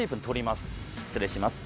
失礼します。